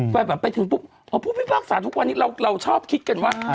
แบบไปถึงพวกพี่ภาคสารทุกวันนี้เราชอบคิดกันว่า